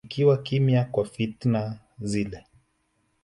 ikiwa kimya kwa fitna zile